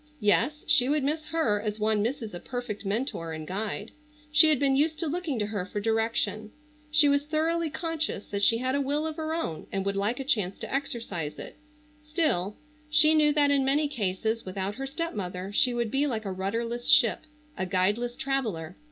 Yes, she would miss her as one misses a perfect mentor and guide. She had been used to looking to her for direction. She was thoroughly conscious that she had a will of her own and would like a chance to exercise it, still, she knew that in many cases without her stepmother she would be like a rudderless ship, a guideless traveller.